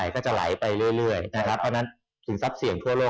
ก็จะไหลไปเรื่อยถึงทรัพย์สีทั่วโลก